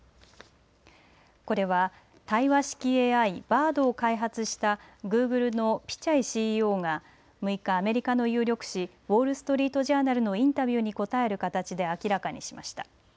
これは対話式ＡＩ、Ｂａｒｄを開発したグーグルのピチャイＣＥＯが６日、アメリカの有力紙、ウォール・ストリート・ジャーナルのインタビューに答える形で明らかにしました。